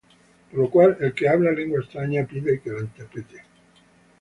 Por lo cual, el que habla lengua extraña, pida que la interprete.